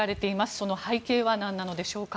その背景はなんでしょうか。